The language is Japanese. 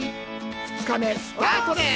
２日目スタートです。